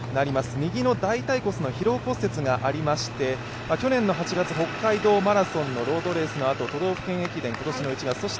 右の大腿骨の疲労骨折がありまして、去年８月、北海道マラソンのロードレースのあと都道府県駅伝、今年の１月そして